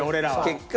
結果。